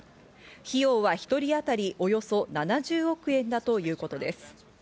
費用は１人当たりおよそ７０億円だということです。